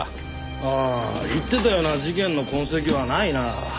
ああ言ってたような事件の痕跡はないな。